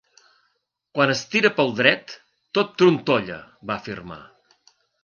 Quan es tira pel dret, tot trontolla, va afirmar.